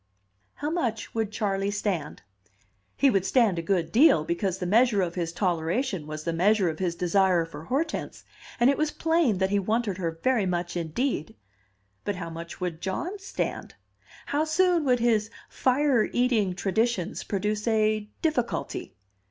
How much would Charley stand? He would stand a good deal, because the measure of his toleration was the measure of his desire for Hortense; and it was plain that he wanted her very much indeed. But how much would John stand? How soon would his "fire eating" traditions produce a "difficulty"?